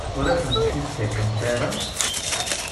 Ur asent-t-id-ttakent ara?